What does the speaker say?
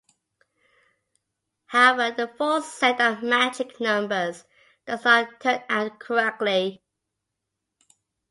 However the full set of magic numbers does not turn out correctly.